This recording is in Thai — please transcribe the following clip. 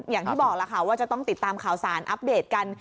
อย่างที่บอกล่ะค่ะว่าจะต้องติดตามข่าวสารอัปเดตกัน